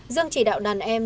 dương chỉ đạo đàn em